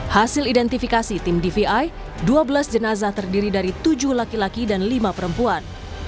hasil identifikasi tim dvi dua belas jenazah terdiri dari tujuh laki laki dan lima perempuan